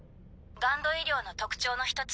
ＧＵＮＤ医療の特徴の一つに。